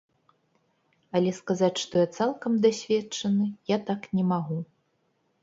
Але, сказаць, што я цалкам дасведчаны, я так не магу.